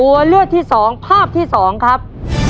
ตัวเลือกที่สองภาพที่สองครับ